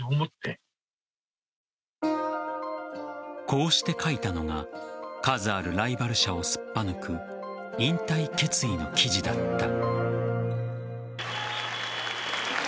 こうして書いたのが数あるライバル社をすっぱ抜く引退決意の記事だった。